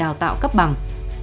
đào tạo cấp bằng